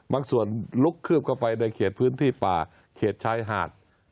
บางส่วนลุกคืบเข้าไปในเขตพื้นที่ป่าเขตชายหาด